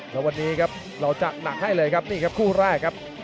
แล้ววันนี้ครับเราจัดหนักให้เลยครับนี่ครับคู่แรกครับ